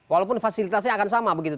walaupun fasilitasnya akan sama begitu